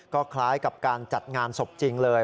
ก็คล้ายกับการจัดงานศพจริงเลย